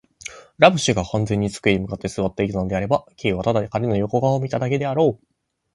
ラム氏が完全に机に向って坐っていたのであれば、Ｋ はただ彼の横顔を見ただけであろう。